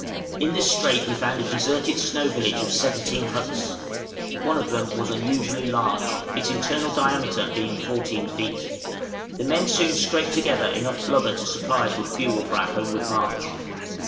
In this strait we found a deserted snow village of seventeen huts; one of them was unusually large, its internal diameter being 14 feet. The men soon scraped together enough blubber to supply us with fuel for our homeward march.